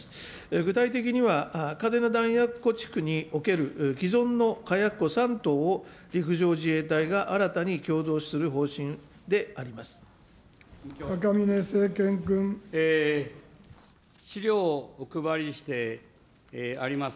具体的には、嘉手納弾薬庫地区における既存の火薬庫３棟を、陸上自衛隊が新たに共同使用する方針であります。